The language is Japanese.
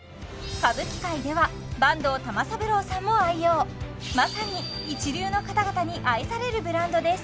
歌舞伎界では坂東玉三郎さんも愛用まさに一流の方々に愛されるブランドです